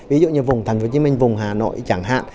ví dụ như vùng tp hcm vùng hà nội chẳng hạn